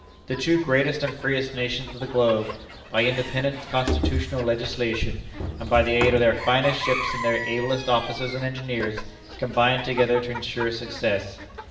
The two greatest and freest nations of the globe, by independent constitutional legislation, and by the aid of their finest ships and their ablest officers and engineers, combined together to insure success.